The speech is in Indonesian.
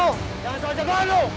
jangan saja balo